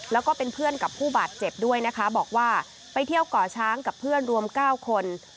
แล้วก็เป็นเพื่อนกับผู้บาดเจ็บด้วยนะคะบอกว่าไปเที่ยวก่อช้างกับเพื่อนรวม๙คน